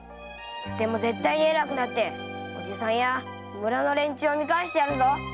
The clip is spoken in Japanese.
〔でも絶対に偉くなって叔父さんや村の連中を見返してやるぞ〕